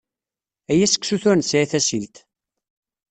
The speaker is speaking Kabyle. Ay aseksut ur nesɛi tasilt!